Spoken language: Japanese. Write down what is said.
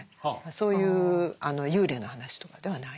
そういう幽霊の話とかではないですね。